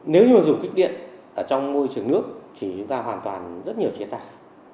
nếu như mà dùng kích điện trong môi trường nước thì chúng ta hoàn toàn rất nhiều chế tài